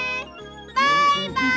バイバイ！